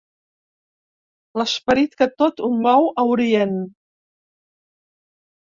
L'esperit que tot ho mou a Orient.